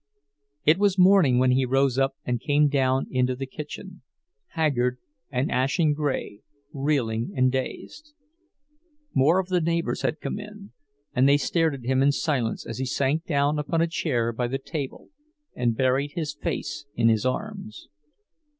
It was morning when he rose up and came down into the kitchen—haggard and ashen gray, reeling and dazed. More of the neighbors had come in, and they stared at him in silence as he sank down upon a chair by the table and buried his face in his arms.